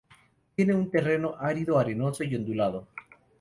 Tiene un terreno árido, arenoso y ondulado.